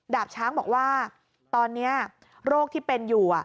ดาบช้างบอกว่าตอนนี้โรคที่เป็นอยู่